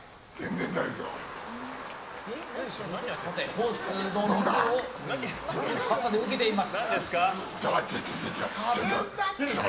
ホースの水を傘で受けています。